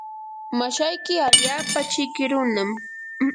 mashayki allaapa chiki runam.